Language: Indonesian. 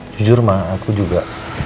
jujur ma aku juga